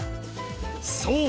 そう！